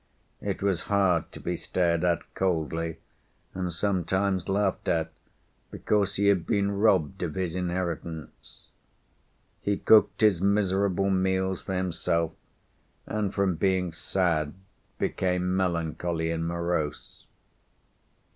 It was hard to be stared at coldly, and sometimes laughed at because he had been robbed of his inheritance. He cooked his miserable meals for himself, and from being sad became melancholy and morose.